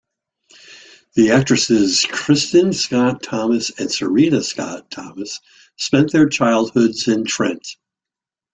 The actresses Kristin Scott Thomas and Serena Scott Thomas spent their childhoods in Trent.